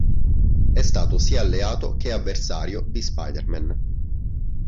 È stato sia alleato che avversario di Spider-Man.